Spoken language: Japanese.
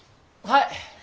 はい。